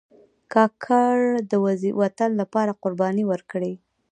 کاکړ د وطن لپاره قربانۍ ورکړي.